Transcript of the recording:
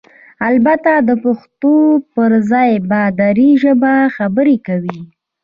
البته دپښتو پرځای په ډري ژبه خبرې کوي؟!